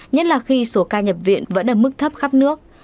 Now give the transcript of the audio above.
nhất là khi số ca nhập viện vẫn ở mức thấp khắp nước